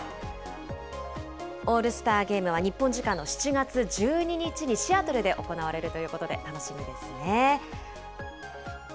オールスターゲームは日本時間の７月１２日に、シアトルで行われるということで、楽しみですね。